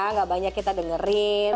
nggak banyak kita dengerin